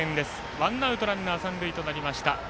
ワンアウト、ランナー、三塁となりました。